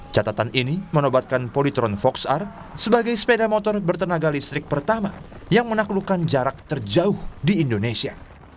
catatan ini menobatkan politron fox r sebagai sepeda motor bertenaga listrik pertama yang menaklukkan jarak terjauh di indonesia